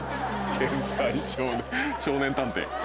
天才少年少年探偵。